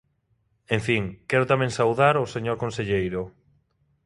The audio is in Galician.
En fin, quero tamén saudar o señor conselleiro.